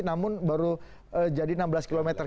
namun baru jadi enam belas km